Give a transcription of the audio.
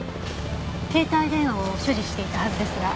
携帯電話を所持していたはずですが。